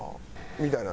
みたいな。